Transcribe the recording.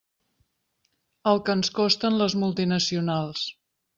El que ens costen les multinacionals.